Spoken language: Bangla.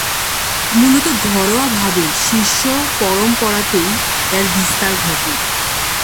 মূলত ঘরোয়াভাবে শিষ্য পরম্পরাতেই এর বিস্তার ঘটে।